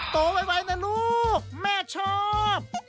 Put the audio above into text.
ไวนะลูกแม่ชอบ